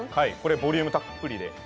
ボリュームたっぷりで。